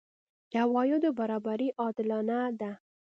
د عوایدو برابري عادلانه ده؟